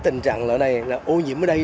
tình trạng ở đây là ô nhiễm ở đây